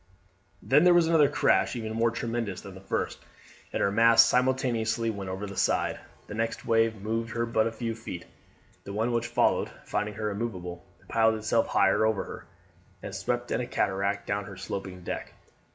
Then there was another crash even more tremendous than the first, and her masts simultaneously went over the side. The next wave moved her but a few feet; the one which followed, finding her immovable, piled itself higher over her, and swept in a cataract down her sloping deck.